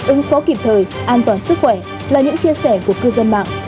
ứng phó kịp thời an toàn sức khỏe là những chia sẻ của cư dân mạng